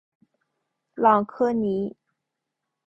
朗科尼。